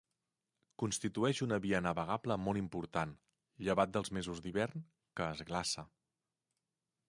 Constitueix una via navegable molt important, llevat dels mesos d'hivern, que es glaça.